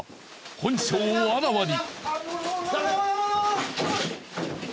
本性をあらわに。